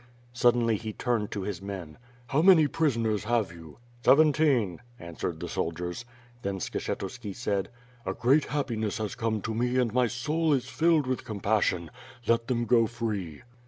Suddenly, he turned to his men: "How many prisoners have you?" "Seventeen," answered the soldiers. Then Sketshuski said: "A great happiness has come to me and my soul is filled with compassion; let them go free."